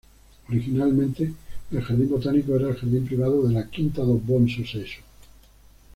Originalmente el jardín botánico era el jardín privado de la "Quinta do Bom Sucesso".